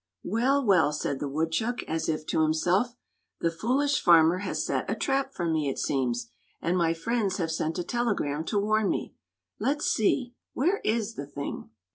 "Well, well," said the woodchuck, as if to himself, "the foolish farmer has set a trap for me, it seems, and my friends have sent a telegram to warn me. Let's see where is the thing?"